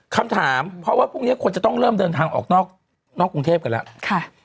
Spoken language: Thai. คำถามเพราะว่าพรุ่งนี้ควรจะต้องเริ่มเดินทางออกนอกกรุงเทพกันแล้ว